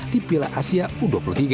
di piala asia u dua puluh tiga